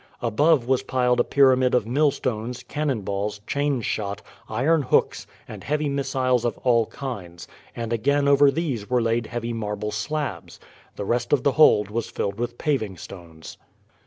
Above was piled a pyramid of millstones, cannonballs, chain shot, iron hooks, and heavy missiles of all kinds, and again over these were laid heavy marble slabs. The rest of the hold was filled with paving stones.